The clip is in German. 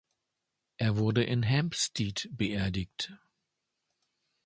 Er wurde in Hampstead beerdigt.